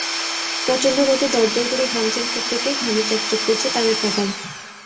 প্রচণ্ড রোদে দরদর করে ঘামছেন প্রত্যেকে, ঘামে চকচক করছে তাদের কপাল।